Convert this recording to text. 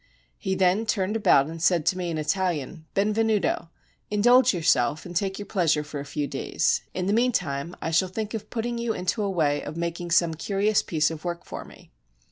He then turned about and said to me in Italian: "Benvenuto, indulge yourself and take your pleasure for a few days ; in the mean time I shall think of putting you into a way of making some curious piece of work for me."